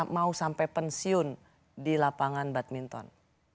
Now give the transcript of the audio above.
mau sampai pensiun di lapangan badminton